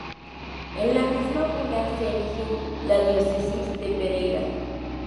En la misma bula se erige la diócesis de Pereira.